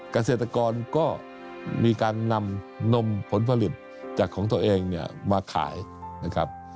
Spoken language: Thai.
เกษตรกรก็มีการนำนมผลผลิตจากของตัวเองเนี่ยมาขายนะครับ